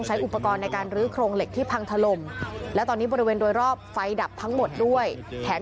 หลายคนหลายคนหลายคนหลายคนหลายคนหลายคนหลายคน